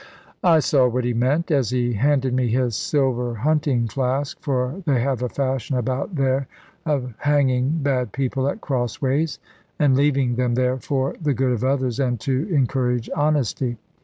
I saw what he meant, as he handed me his silver hunting flask, for they have a fashion about there of hanging bad people at cross ways, and leaving them there for the good of others, and to encourage honesty.